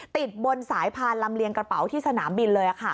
ติดบนสายพานลำเลียงกระเป๋าที่สนามบินเลย